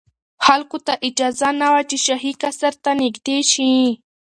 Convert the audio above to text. خلکو ته اجازه نه وه چې شاهي قصر ته نږدې شي.